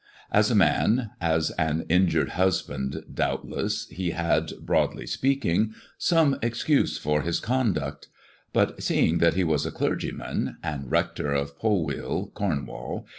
^8 a man, — as an injured husband, doubtless, he had — broadly speaking — some excuse for his conduct ; but seeing liat he was a clergyman, and Rector of Polwheal, Cornwall, I.